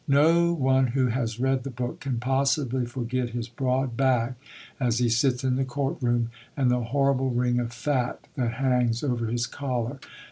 No one who has read the book can possibly forget his broad back as he sits in the courtroom, and the horrible ring of fat that hangs over his collar.